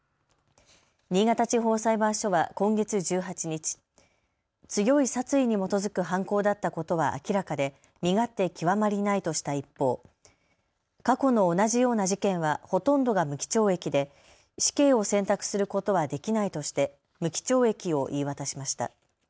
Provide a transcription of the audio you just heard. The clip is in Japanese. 新潟地方裁判所は今月１８日、強い殺意に基づく犯行だったことは明らかで身勝手極まりないとした一方、過去の同じような事件はほとんどが無期懲役で死刑を選択することはできないとして無期懲役を言い渡しました。